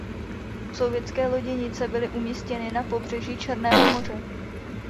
Sovětské loděnice byly umístěny na pobřeží Černého moře.